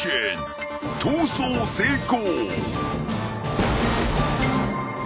［逃走成功！］